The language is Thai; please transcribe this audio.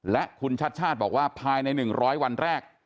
และคุณชัดชาติบอกว่าภายใน๑๐๐วันแรก